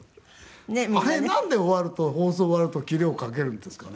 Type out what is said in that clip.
あれなんで終わると放送終わると布をかけるんですかね。